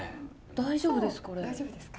大丈夫ですか？